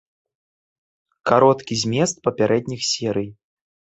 Кароткі змест папярэдніх серый.